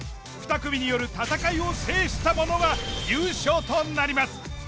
２組による戦いを制した者が優勝となります。